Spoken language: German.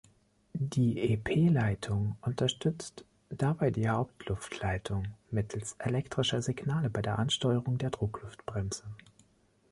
Die ep-Leitung unterstützt dabei die Hauptluftleitung mittels elektrischer Signale bei der Ansteuerung der Druckluftbremse.